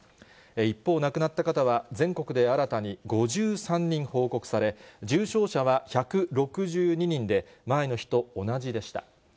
一方、亡くなった方は全国で新たに５３人報告され、重症者は１６２人で、前の日と同じでした。